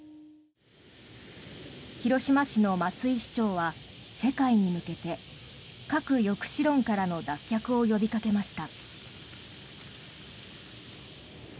広島市の松井市長は世界に向けて核抑止論からの脱却を呼びかけました。